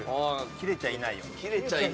「キレちゃいないよ」。